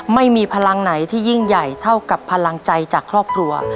ไม่มีพลังไหนที่ยิ่งใหญ่เท่ากับพลังใจจากครอบครัว